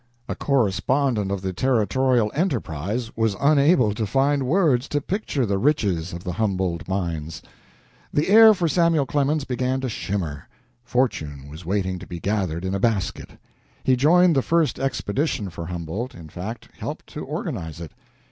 A correspondent of the "Territorial Enterprise" was unable to find words to picture the riches of the Humboldt mines. The air for Samuel Clemens began to shimmer. Fortune was waiting to be gathered in a basket. He joined the first expedition for Humboldt in fact, helped to organize it.